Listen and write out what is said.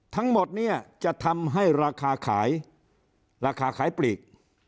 ทั้งหมดเนี่ยจะทำให้ราคาขายราคาขายปลีก